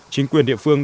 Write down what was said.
chính quyền địa phương